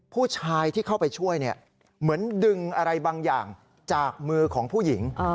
ผู้ชายที่เข้าไปช่วยเนี่ยเหมือนดึงอะไรบางอย่างจากมือของผู้หญิง